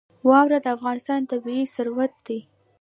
واوره د افغانستان طبعي ثروت دی.